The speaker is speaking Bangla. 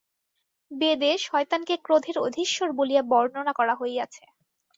বেদে শয়তানকে ক্রোধের অধীশ্বর বলিয়া বর্ণনা করা হইয়াছে।